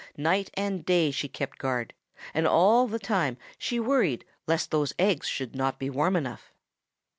Night and day she kept guard, and all the time she worried lest those eggs should not be warm enough.